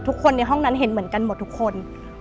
ทุกคนในห้องนั้นเห็นเหมือนกันหมดทุกคน